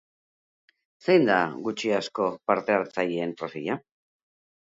Zein da, gutxi-asko, parte-hartzaileen profila?